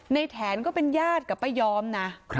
แถนก็เป็นญาติกับป้ายอมนะ